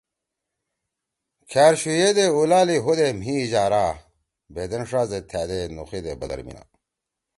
کھأر شو یَندے اُولال ئی ہودے مھی ہیجارا بھیدین ݜا زید تھأدے نُوخیدے بدرمینا